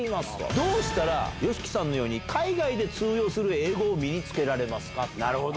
どうしたらＹＯＳＨＩＫＩさんのように海外で通用する英語を身になるほど。